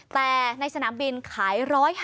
แต่ในสนามบินขาย๑๕๐